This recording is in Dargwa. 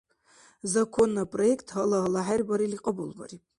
Законна проект гьала-гьала хӀербарили кьабулбариб.